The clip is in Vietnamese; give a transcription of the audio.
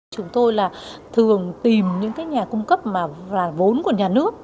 chúng tôi là thường tìm những nhà cung cấp mà là vốn của nhà nước